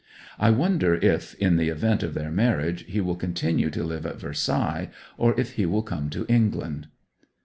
I wonder if, in the event of their marriage, he will continue to live at Versailles, or if he will come to England.